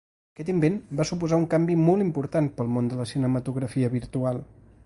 Aquest invent va suposar un canvi molt important pel món de la cinematografia virtual.